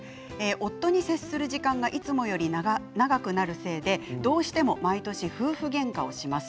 夫に接する時間がいつもより長くなるせいでどうしても毎年夫婦げんかをします。